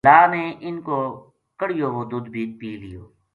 بلا نے اِنھ کو کَڑھیو وو دُدھ بے پی لیو